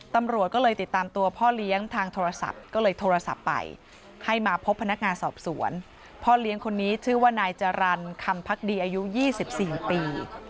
ตำรวจก็เลยติดตามตัวพ่อเลี้ยงทางโทรศัพท์ก็เลยโทรศัพท์ไปให้มาพบพนักงานสอบสวนพ่อเลี้ยงคนนี้ชื่อว่านายจรรย์คำพักดีอายุ๒๔ปี